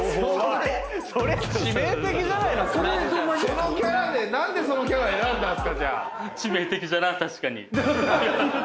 そのキャラで何でそのキャラ選んだんすか⁉致命的じゃな確かに。